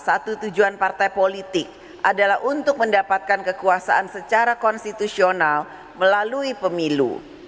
satu tujuan partai politik adalah untuk mendapatkan kekuasaan secara konstitusional melalui pemilu